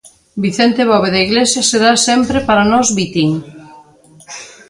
Vicente Bóveda Iglesias será sempre para nos Vitín.